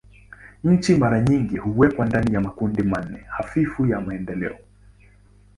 Nchi mara nyingi huwekwa ndani ya makundi manne hafifu ya maendeleo.